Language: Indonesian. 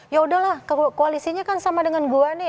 ya udahlah koalisinya kan sama dengan gua nih